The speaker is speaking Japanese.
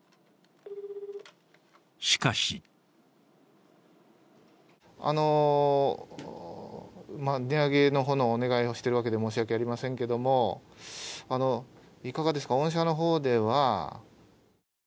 しかし値上げの方のお願いをしているわけで申し訳ありませんけれども、いかがですか、御社の方では。